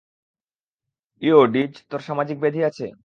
ইও, ডিজ, তোর সামাজিক ব্যাধি আছে?